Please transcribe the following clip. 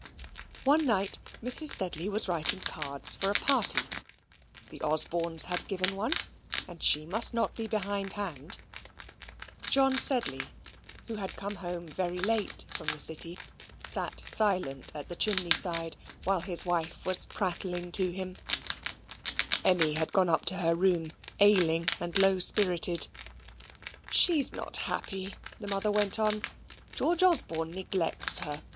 One night Mrs. Sedley was writing cards for a party; the Osbornes had given one, and she must not be behindhand; John Sedley, who had come home very late from the City, sate silent at the chimney side, while his wife was prattling to him; Emmy had gone up to her room ailing and low spirited. "She's not happy," the mother went on. "George Osborne neglects her.